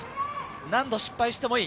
何度失敗してもいい。